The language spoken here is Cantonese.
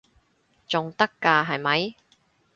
仲得㗎係咪？